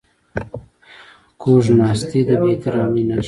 کوږ ناستی د بې احترامي نښه ده